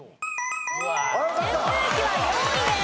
扇風機は４位です。